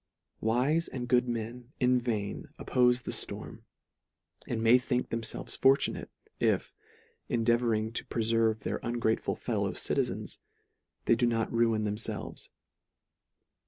Wife and good men in vain oppofe the florm, and may think themfelves fortunate, if, endeavouring to preferve their ungrateful fellow citizens, they do not ruin themfelves.